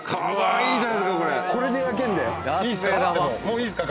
いいっすか？